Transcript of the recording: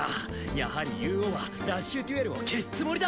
やはりユウオウはラッシュデュエルを消すつもりだ。